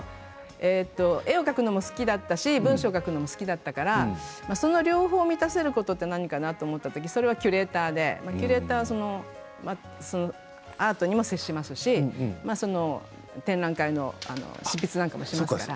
絵を描くのも好きだったし文章を書くのも好きだったからその両方を満たせることは何かな？と思ったときそれはキュレーターでアートにも接しますし展覧会の執筆もします。